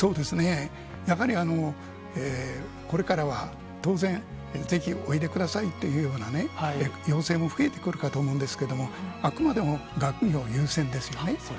やはり、これからは当然、ぜひおいでくださいというような要請も増えてくると思うんですけれども、あくまでも学業優先ですよね。